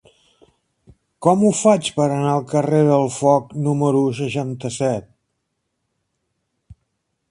Com ho faig per anar al carrer del Foc número seixanta-set?